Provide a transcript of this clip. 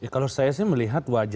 kalau saya sih melihat wajah